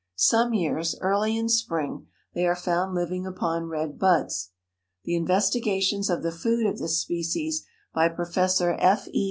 Some years, early in spring, they are found living upon red buds." The investigations of the food of this species by Professor F. E.